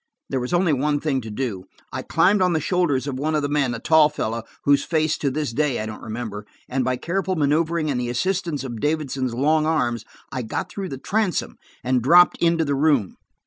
There was only one thing to do: I climbed on the shoulders of one of the men, a tall fellow, whose face to this day I don't remember, and by careful maneuvering and the assistance of Davidson's long arms, I got through the transom and dropped into the room.